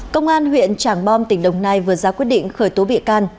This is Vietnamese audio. công an huyện trảng bom tỉnh đồng nai vừa ra quyết định khởi tố bị can